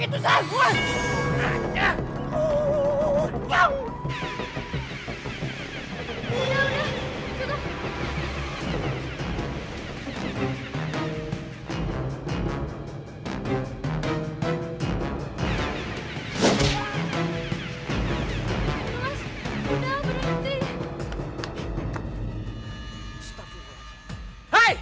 tolong aku ini